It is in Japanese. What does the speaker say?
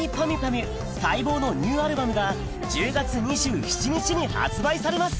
ゅ待望のニューアルバムが１０月２７日に発売されます